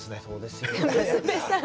そうですよね。